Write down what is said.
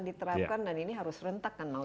diterapkan dan ini harus rentak kan mau